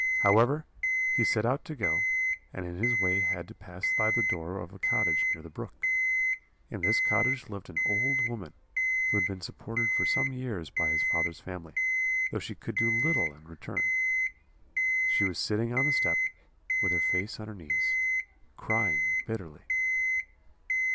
However, he set out to go, and in his way had to pass by the door of a cottage near the brook. In this cottage lived an old woman, who had been supported for some years by his father's family, though she could do little in return. She was sitting on the step, with her face on her knees, crying bitterly.